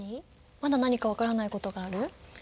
まだ何か分からないことがある？